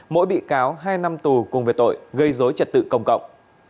mỗi bị cáo hai năm tù cùng về tội gây dối trật tự công cộng